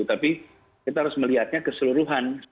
tapi kita harus melihatnya keseluruhan